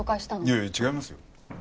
いやいや違いますよ。